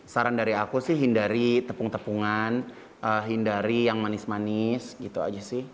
saran dari aku sih hindari tepung tepungan hindari yang manis manis gitu aja sih